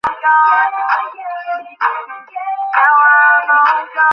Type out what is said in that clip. সবাইকে বাসের ভিতরে থাকতে বল।